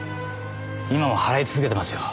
今も払い続けてますよ。